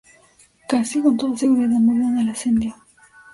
Casi con toda seguridad murió en el asedio.